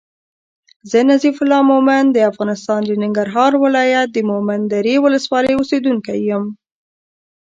زه نظیف الله مومند د افغانستان د ننګرهار ولایت د مومندرې ولسوالی اوسېدونکی یم